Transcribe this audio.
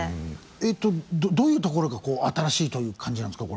えっとどういうところが新しいという感じなんですか？